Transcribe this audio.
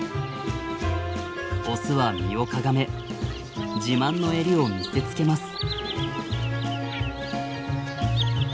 オスは身をかがめ自慢のエリを見せつけます。